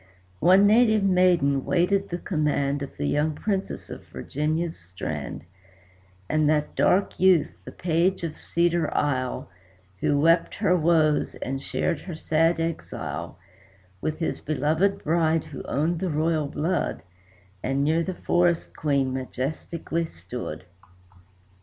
One native maiden waited the command Of the young Princess of Virginia's strand; And that dark youth, the Page of Cedar Isle, Who wept her woes, and shared her sad exile, With his loved bride, who owned the royal blood, And near the forest Queen majestically stood.